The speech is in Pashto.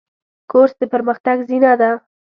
کورس د پرمختګ زینه ده.